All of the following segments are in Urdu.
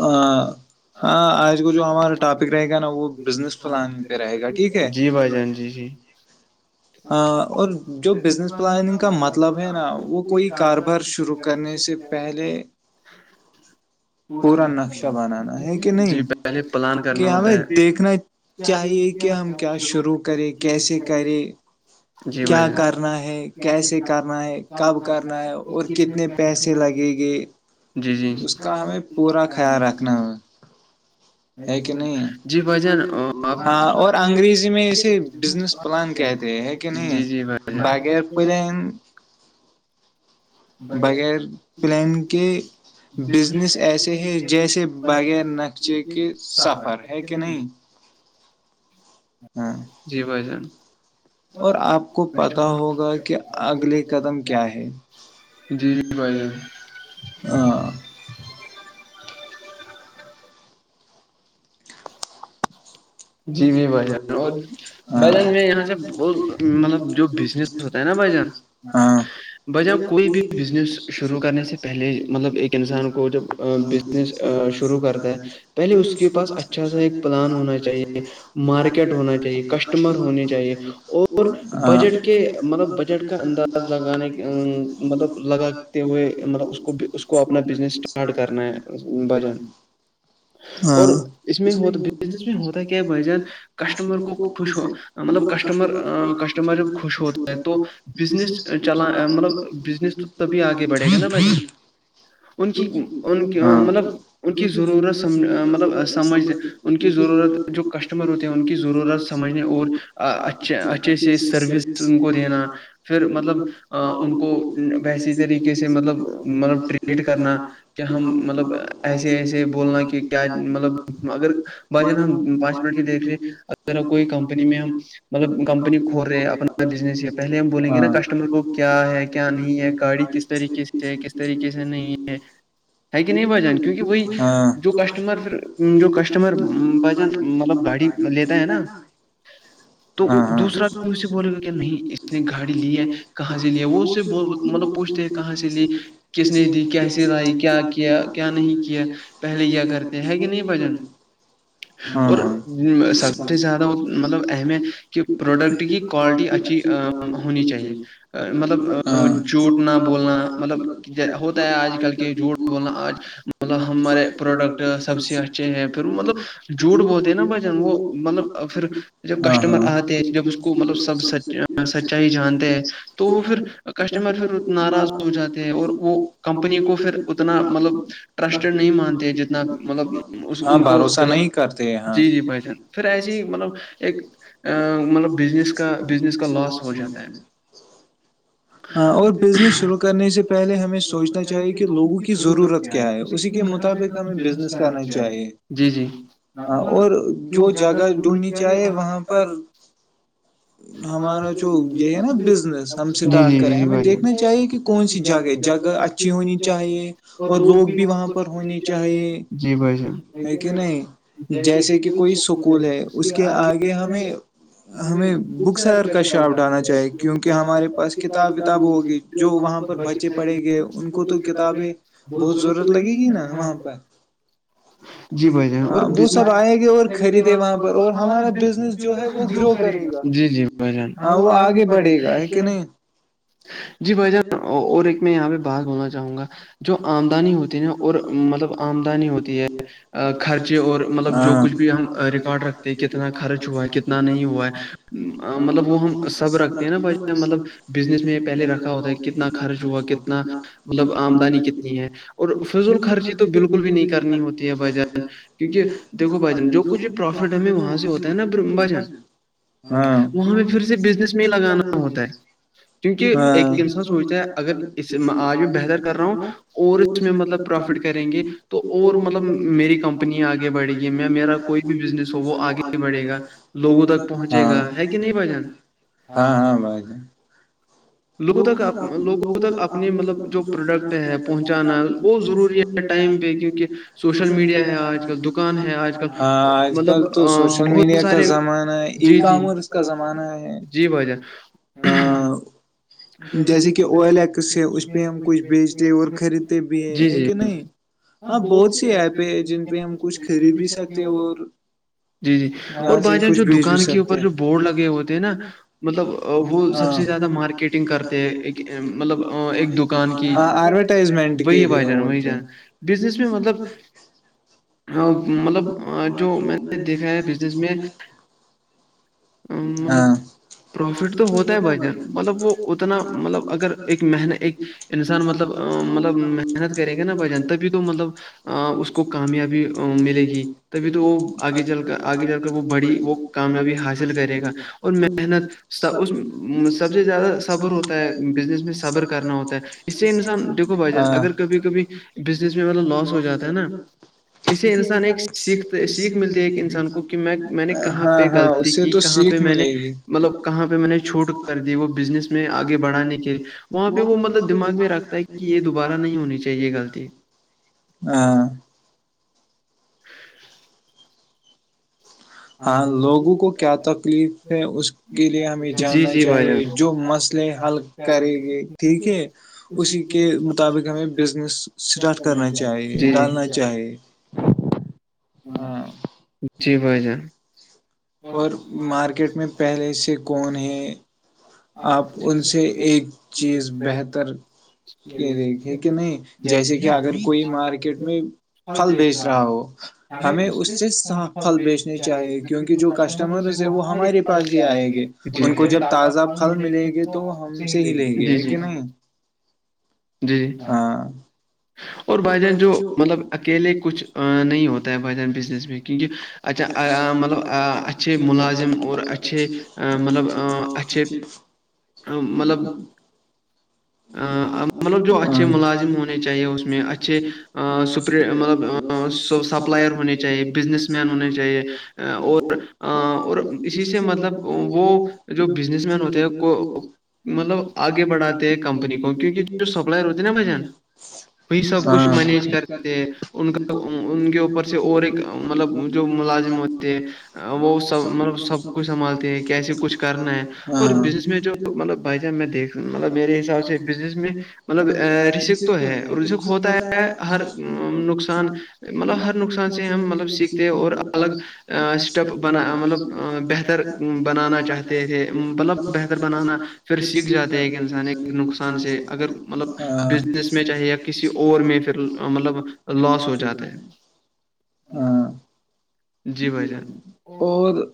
ہاں ہاں آج کو جو ہمارا ٹاپک رہے گا نا وہ بزنس پلانگ پہ رہے گا ٹھیک ہے اور جو بزنس پلاننگ کا مطلب ہے نا وہ کوئی کاروبار شروع کرنے سے پہلے جی پہلے پلان کرنا ہوتا ہے چاہیے کہ ہم کیا شروع کریں کیسے کریں کیا کرنا ہے کیسے کرنا ہے کب کرنا ہے اور کتنے پیسے لگیں گے اس کا ہمیں پورا خیال رکھنا ہو ہے کہ نہیں ہے ہاں اور انگریزی میں ایے بزنس پلان کیا یہ ہے کہ نہیں بغر پہل بغیر پلان کے بزنس ایسے ہے جیسے بغیر نقشے کے سفر ہے کہ نہیں ج [unintelligible] ہاں [unintelligible] اور آپ کو پتہ ہوگا کہ اگلے قدم کیا ہے جی جی بھائی جان [unintelligible] ہ [unintelligible] ج [unintelligible] جی ب بھ جان اور بھجان میں یہاں سے وہ مطلب جو بزنس ہوتا ہے نا بھ جان ہ بجؤ کوئی بھی بزنس شروع کرنے سے پہلے مطلب ایک انسان کو جب بزنس شروع کرتا ہے پہلے اس کے پاس اچھا سا ایک پلان ہونا چاہیے مارکیٹ ہونا چاہیے کسٹمر ہونے چاہیے اور بجٹ کے مطلب بج کا انداز لگانے مطلب لگاتے ہوئے مطلب اس کو اس کو اپنا بزنس اسٹارٹ کرنا ہے بجن اور اس میں ہوتا بزنس میں ہوتا ہے وجہ کسٹمر کو خوش ہو مطلب کسٹمر کسٹمر جب خوش ہوتا ہے تو بزنس چلاان مطلب بزنس تو تبھی آگے بڑھے گا نا بجن ان کی ان کی مطلب ان کی ضرورتم مطلب سمجھ ان کی ضرورت جو کسٹمر ہوتے ہیں ان کی ضرورت سمجھنے اورچھ اچھے سے سروس ان کو دینا پھر مطلب ان کو ویسی طریقے سے مطلب مطلب ٹریٹ کرنا کہ ہم مطلب ایسے ایسے بولنا کہ کیا مطلب اگر بھائی جان ہم پانچ منٹ کییکھ رہے اگر کوئی کمپنی میں ہم مطلب کمپنی کھول رہے اپنا بزنس سے پہے ہم بولیں گے نا کسٹمر کو کیا ہے کیا نہیں ہے گاڑی کس طریقے سے چ کس طریقے سے نہیں ہے ہے کہ نہیں ب جان کیونکہ وہی جو کسٹمر پھر جو کسٹمر جان مطلب گاڑی لیتا ہے نا تو دوسرا آمی اس سے بولے گا کہ نہیں اس نے گاڑی ل ہے کہاں سے لیا ہے وہ اس سے ب مطلب پوچھتے کہاں سے لی کس نے دی کیسی لائی کیا کیا کیا نہیں کیا پہلے کیا کرتے ہے گ نہیں بجن اور سب سے زیادہ مطلب اہم ہے کہ پروڈکٹ کی کوالٹی اچھی ہونی چاہیے مطلب جووٹنا بولنا مطلب ہوتا ہے آج کل کے جھوٹ بولنا آج مطلب ہمارے پروڈکٹ سب سے اچھ چے ہیں پھر وہ مطلب جھوٹ بولتے ہیں نا بھچن وہ مطلب پھر جب کسٹمر آتے جب اس کو مطلب سب س سچائی جانتے ہیں تو وہ پھر کسٹمر پھر ناراض ہو جاتے ہیں اور وہ کمپنی کو پھر اتنا مطلب ٹرسٹڈ نہیں مانتے جتنا مطلب ان کو دلا جی جی بھائی جان پھر ایسے ہی مطلب ایک مطلب بزنس کا بزنس کا لاس بول ہاں اور بزنس شروع کرنے سے پہلے ہمیں سوچنا چاہیے کہ لوگوں کی ضرورت کیا ہے اسی کے مطابق ہمیں بزنس کرنا چاہیے جی جی ہاں اور جو جگہ ڈونڈنی چاہے وہاں پر ہمارا جو یہ ہے نا بزنس ہم اسٹارٹ کریں ہمیں دیکھنا چاہیے کہ کون سی جگہ جگہ ا اچھی ہونی چاہیے اور لوگ بھی وہاں پر ہونے چاہیے جی بھائی ج ہے کہ نہیں جیسے کہ کوئی سکول ہے اس کے آگے ہمیں ہمیں بک سیلر کا شاپ ڈالا چاہیے کیونکہ ہمارے پاس کتاب وتاب ہوگی جو وہاں پر بچے پڑھیں گے ان کو تو کتابیں بہت ضرورت لگے گی نا وہاں پر جی بھائی جان اور گا جی جی ب آگ پڑے گا جی بھائی جان اور ایک میں یہاں پہ بات بولنا چاہوں گا جو آمدانی ہوتی ن اور مطلب آمدنی ہوتی ہے خرچے اور بھی ہم ریکارڈ رکھتے کتنا خرچ ہوا ہے کتنا نہیں ہوا ہے مطلب وہ ہم سب رکھتے ہیں نا میں نے مطلب بزنس میں پہلے رکھا ہوتا ہے کتنا خرچ ہوا کتنا مطلب آمدنی کتنی ہے اور فور خرچی تو بالکل بھی نہیں کرنی ہوتی ج بھان یکے دیکھو بھ جان جو کچھ بھی پروفٹ ہمیں وہاں سے ہوتا ہے نا بھ ہاں وہ ہمیں پھر سے بزنس میں ہی لگانا ہوتا ہے ھیکب سوچتا اگر اس آگ بحتر کر رہا ہوں اور اس میں مطلب پروفٹ کرلیں گے تو اور مطلب میری کمپنییا آگے بڑھے گی میں میرا کوئی بھی بزنس ہے وہ آگے بڑے گا لوگوں تکن ہاں ہاں ہاں بائے ہے لوگوں تک لوگوں تک اپنے مطلب جو پروڈکٹ ہے پہنچانا بہت ضروری ہے ٹائم پہ کیونکہ سوشل میڈیا ہے آج دکان ہے آج ہاں آج کل تو سوشل میڈیا کا زمانہ ہے ایک کام اور اس کا زمانہ ہے ج ہاں جیسے کہ او ایل ایکس ہے اس پہ ہم کچھ بھیچتے اور خریدتے بھی ہیں ہیں کہ نہیں ہاں بہت سی ایپ ہے جن پہ ہم کچھ خرید بھی سکتے اور جی جی اور بائی چانس جو دکان کے اوپر جو بورڈ لگے ہوتے ہیں نا مطلب وہ سب سے زیادہ مارکیٹ میٹگ کرتے مطلب ایک دکان کی وہی بائی جان وہی جان بزنس میں مطلب مطلب جو میں نے دیکھا ہے بزنس میں مطلب پروفٹ تو ہوتا ہے بچن مطلب وہ اتنا مطلب اگر ایک محت ایک انسان مطلب مطلب محنت کریں گے نا ب جان تبھی تو مطلب اس کو کامیابی ملے گی تبھی تو وہ آگے چل کر آگے جل کر وہ بڑی وہ کامیابی حاصل کرے گا اور محنت اس سب سب سے زیادہ صبر ہوتا ہے بزنس میں صبر کرنا ہوتا ہے اس سے انسان دیکھو بھائی جان اگر کبھی کبھی بزنس میں مطلب لاس ہو جاتا ہے نا اسے انسان ایک سیکھ سیکھ ملتی ہے ایک انسان کو کہ میں میں نے کہاں پہ غلط کی کہاں پہ میں نے مطلب کہاں پہ میں نے چھوٹ کر دی وہ بزنس میں آگے بڑھانے کے لی وہاں پہ وہ مطلب دماغ میں رکھتا ہے کہ یہ دوبارہ نہیں ہونی چاہیے یہ غلط کہ [inaudible] ہاں ہاں لوگوں کو کیا تکلیف ہے اس کے لیے ہمیں جاننا چاہیے جو مسئلے حل کریں گے ٹھیک ہے اسی کے مطابق ہمیں بزنس سٹارٹ کرنا چاہی ڈالنا چاہے ہ جی بھائی جان [unintelligible] اور مارکیٹ میں پہلے سے کون ہے آپ ان سے ایک چیز بہتر یہ دیکھے کہ نہیں جیسے کہ اگر کوئی مارکیٹ میں پھل بیچ رہا ہو ہمیں اس سے صاف پھل بیچنے چاہیے کیونکہ جو کسٹمرز ہے وہ ہمارے پاس ہی آئےیں گے ان کو جب تازہ پھل ملے گے تو ہم سے ہی لیں گے ہے کہ نہیں ہاں [unintelligible] اور بائی چان جو مطلب اکیلے کچھ نہیں ہوتا ہے بائی چ کیونکہ اچھا مطلب اچھے ملازم اور اچھے مطلب اچھے مطلب ا مطلب جو اھے ملازم ہونے چاہے اس میں اچھے مطلب سپلائر ہونے چاہیے بزنس مین ہونے چاہیے اور اور اسی سے مطلب وہ جو بزنس مین ہوتے ہیں کو مطلب آگے بڑھا کے کمپنی کو کیونکہ یہ جو سپلر ہوتی نا بھائی نا وہی سب کچھ مینیج کرتے ہیں ان کا ان کے اوپر سے اور ایک مطلب جو ملازم ہو وہ سب مطلب سب کچھ سنبھالتے ہیں کیسے کچھ کرنا ہے اور بزنس میں جو مطلب بھائی جان میں دیک مطلب میرے حساب سے بزنس میں مطلب اور ہوتا ہے ہر نقصان مطلب ہر نقصان سے ہم مطلب سیکھتے اور الگ اسٹیپ بنا مطلب بہتر بنانا چاہتے تھے مطلب ب بنانا پھر سیکھ جاتے ہیں ایک انسان ایک نقصان مان سے اگر بزنس میں چاہی یا کسی اور میں مطلب لاس ہو جاتے ہیں ہاں جی ب اور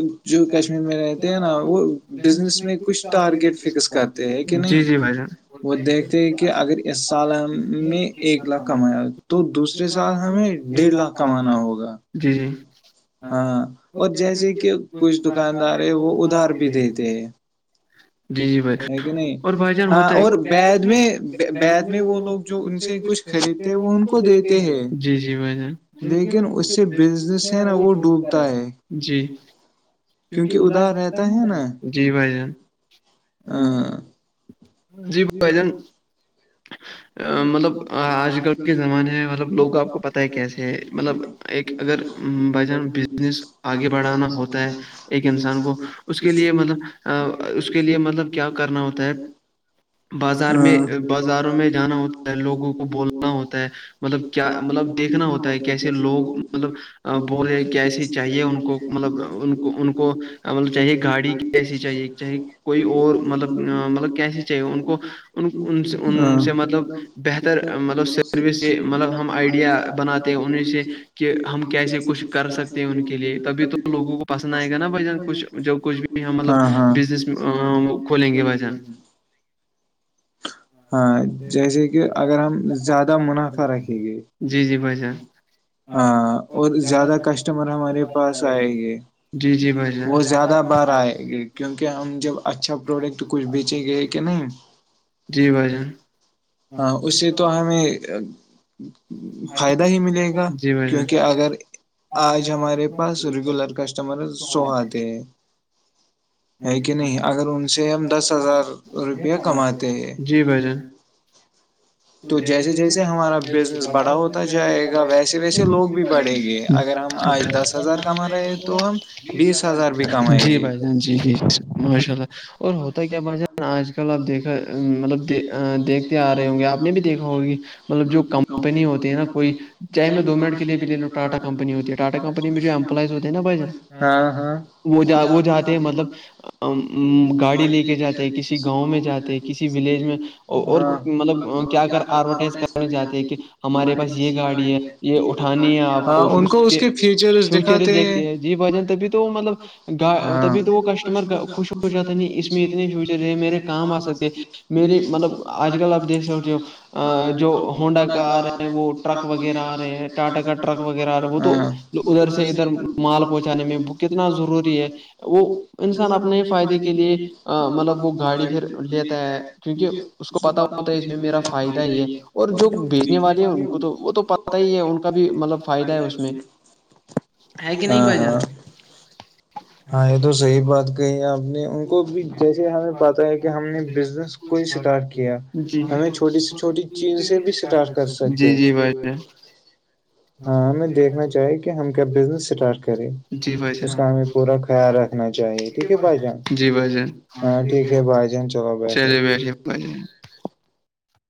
[unintelligible] جو کشمیر میں رہتے ہیں نا وہ بزنس میں کچھ ٹارگیٹ فکس کرتے ہے کہ نہیں ب [unintelligible] وہ دیکھتے کہ اگر اس سال ہم نے ایک لاکھ کمایا تو دوسرے سال ہمیں ڈیڑھ لاکھ کمانا ہوگا [unintelligible] جی جی [unintelligible] ہاں اور جیسے کہ کچھ دکاندار ہے وہ ادھار بھی دیتے ہیں ایک کہ نہیں [unintelligible] اور بیید میں بید میں وہ لوگ جو ان سے کچھ خریدتے ہیں وہ ان کو دیتے ہیں لیکن اس سے بزنس ہے نا وہ ڈوبتا ہے کیونکہ ادار رہتا ہے نا ہاں جی ب بھائی جان [unintelligible] مطلب آج کل کے زمانے میں مطلب لوگ آپ کو پتہ ہے کیسے ہے مطلب ایک اگر بائی جان بزنس آگے بڑھانا ہوتا ہے ایک انسان کو اس کے لیے مطلب اس کے لیے مطلب کیا کرنا ہوتا ہے بازار میں بازاروں میں جہاں ہوتا ہے لوگوں کو بولنا ہوتا ہے مطلب کیا مطلب دیکھنا ہوتا ہے کیسے لوگ مطلب بولے کیسی چاہیے ان کو مطلب ان کو ان کو مطلب چاہیے گاڑی کیسی چاہیے چ کوئی اور مطلب مطلب کیسی چاہیے ان کو سے مطلب بہتر مطلب سروس سے مطلب ہم آئیڈیا بناتے ہیں انہیں سے کہ ہم کیسے کچھ کر سکتے ہیں ان کے لیے تبھی تو لوگوں کو پسند آئے گا نا بھ جان کچھ جب کچھ بھی ہے مطلب بزنس کھولیں گے بھ جان [unintelligible] ہاں جیسے کہ اگر ہم زیادہ منافع رکھیں گے ج ہاں اور زیادہ کسٹمر ہمارے پاس آئے گے وہ زیادہ بار آئے گ کیونکہ ہم جب اچھا پروڈکٹ کچھ بیچے گئے کہ نہیں جی ب ہاں اس سے تو ہمیں فائدہ ہی ملے گا کیونکہ اگر آج ہمارے پاس ریگولر کسٹمر سوہے ہیں ہے کہ نہیں اگر ان سے ہم دس ہزار روپیہ کماتے جی بھ جن تو جیسے جیسے ہمارا بزنس بڑا ہوتا جائے گا ویسے ویسے لوگ بھی بڑھیں گے اگر ہم آج دس ہزار کما رہے ہیں تو تو ہم بیس ہزار بھی کمائیں گے جی جی ماشاء اللہ اور ہوتا ہے کیا ب ج آج کل آپ دیکھا مطلب دیکھتے آ رہے ہوں گے آپ نے بھی دیکھا ہوگی مطلب جو کم کمپنی ہوتی ہے نا کوئی چاہے میں دو منٹ کے لیے بھی لے لوں ٹاٹا کمپنی ہوتی ٹاٹا کمپنی میں جو امپلائز ہوتے ہیںا بھ جان وہ ج وہ جاتے ہیں مطلب گڑی لے کے جات کسی گاؤں میں جاتے کسی ولیج میں اور مطلب کیا کر ایڈورٹز کر کرنے جاتی ہے کہ ہمارے پاس یہ گاڑی ہے یہ اٹھانی ہے آپ کو پھر اس کے فیوچرس دیکھتے ہے جی بھ جان تبھی تو مطلب تبھی تو وہ کسٹمر خوش ہو جاتے ن اس میں اتنے فیوچر یہ میرے کام آ سکتے میرے مطلب آج کل آپ دیکھ سکتے ہو ا جو ہوڈا کا آ رہے ہیں وہ ٹرک وغیرہ آ رہے ہیں ٹاٹا کا ٹرک وغیرہ آ رہا وہ تو ادھر سے ادھر مال پہنچانے میں کتنا ضروری ہے وہ انسان اپنے فائدے کے لیے مطلب وہ گاڑی پھر لیتا ہے کیونکہ اس کو پت ہوتا ہے اس میں میرا فائدہ ہی ہے اور جو بھیجنے والے ہیں ان کو تو وہ تو پتا ہی ہے ان کا بھی مطلب فائدہ ہے اس میں ہے کہ نہیں پ جان ہاں یہ تو صحیح بات کہی ہے آپ نے ان کو بھی جیسے ہمیں پتا ہے کہ ہم نے بزنس کون اسٹارٹ کیا ہمیں چھوٹی سے چھوٹی چین سے بھی اسٹارٹ کر سکتے ہیں ہاں ہمیں دیکھنا چاہی کہ ہم کیا بزنس اسٹارٹ کریں اس کا ہمیں پورا خیال رکھ رنا چاہیے ٹھیک ہے بھائی جان ہاں ٹھیک ہے بھائی جان چلو بیٹھو